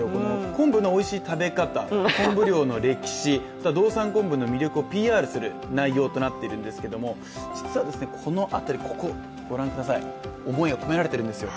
昆布のおいしい食べ方、昆布漁の歴史、道産昆布の魅力をＰＲする内容となっているんですけども実は、ここ、ご覧ください思いが込められているんですよ。